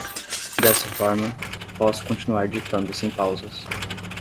Dessa forma, posso continuar ditando sem pausas.